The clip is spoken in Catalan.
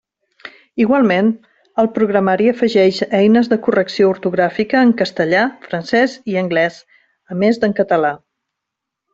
Igualment, el programari afegeix eines de correcció ortogràfica en castellà, francès i anglès, a més d'en català.